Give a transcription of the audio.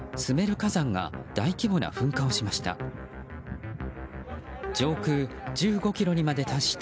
火山が大規模な噴火をしました。